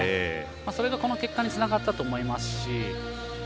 それが、この結果につながったと思いますし。